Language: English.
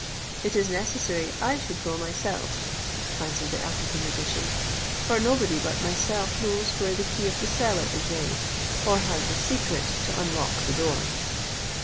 "It is necessary I should go myself," answered the African magician; "for nobody but myself knows where the key of the cellar is laid, or has the secret to unlock the door."